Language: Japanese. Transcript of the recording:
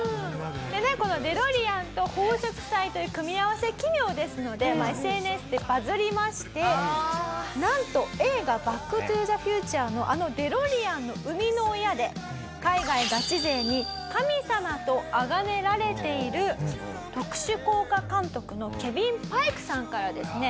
このデロリアンと奉祝祭という組み合わせ奇妙ですのでＳＮＳでバズりましてなんと映画『バック・トゥ・ザ・フューチャー』のあのデロリアンの生みの親で海外ガチ勢に神様とあがめられている特殊効果監督のケビン・パイクさんからですね